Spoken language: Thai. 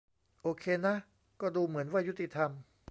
โอเคนะก็ดูเหมือนว่ายุติธรรม